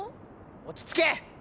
落ち着け！